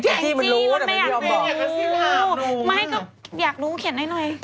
ไอ้จี้มันไม่อยากรู้ไม่ก็อยากรู้เขียนหน่อย